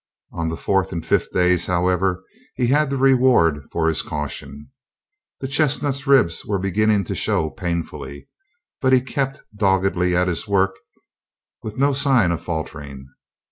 On the fourth and fifth days, however, he had the reward for his caution. The chestnut's ribs were beginning to show painfully, but he kept doggedly at his work with no sign of faltering.